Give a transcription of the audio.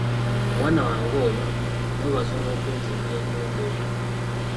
Omwana wange oyo, mwebaza olw'okunzimbira ennyumba eno.